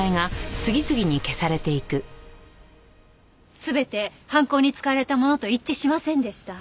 全て犯行に使われたものと一致しませんでした。